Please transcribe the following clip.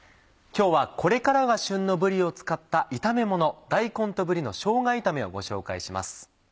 今日はこれからが旬のぶりを使った炒めもの「大根とぶりのしょうが炒め」をご紹介します。